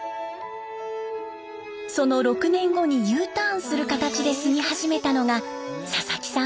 その６年後にＵターンする形で住み始めたのが佐々木さん